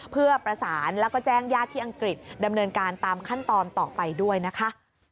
เพื่อประสานแล้วก็แจ้งญาติที่อังกฤษดำเนินการตามขั้นตอนต่อไปด้วยนะคะ